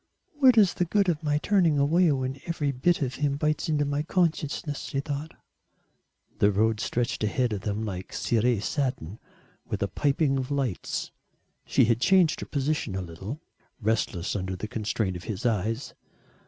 "What is the good of my turning away when every bit of him bites into my consciousness?" she thought. The road stretched ahead of them like ciré satin with a piping of lights. She had changed her position a little, restless under the constraint of his eyes.